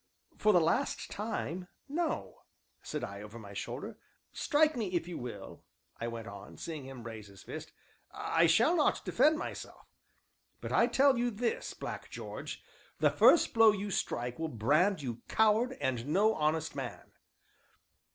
"For the last time, no," said I over my shoulder. "Strike me if you will," I went on, seeing him raise his fist, "I shall not defend myself, but I tell you this, Black George, the first blow you strike will brand you coward, and no honest man."